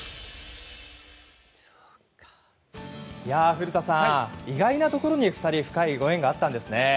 古田さん、意外なところに２人、深いご縁があったんですね。